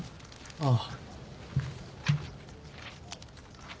ああ。